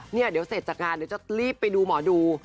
เดี๋ยวเสร็จจากงานเดี๋ยวจะรีบไปดูหมอดู